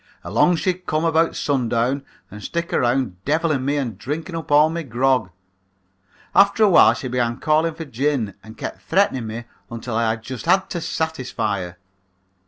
Along she'd come about sun down and stick around devilin' me and drinking up all my grog. After a while she began calling for gin and kept threatening me until I just had to satisfy her.